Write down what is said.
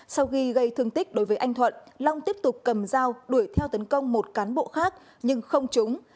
sau khi gây thương tích đối với anh thuận long tiếp tục cầm dao đuổi theo tấn công một cán bộ khác nhưng không trúng